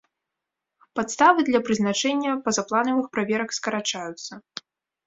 Падставы для прызначэння пазапланавых праверак скарачаюцца.